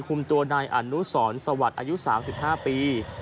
คุมตัวนายอนุสรสวัสดิ์อายุ๓๕ปี